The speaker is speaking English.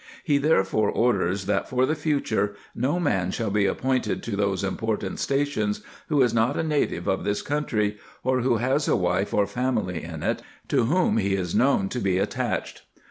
" He therefore orders that for the future, no man shall be appointed to those important stations who is not a native of this country, or who has a wife or family in it, to whom he is known to be attached."